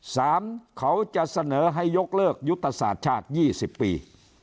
สามเขาจะเสนอให้ยกเลิกยุตสาธิชาติ๒๐ปี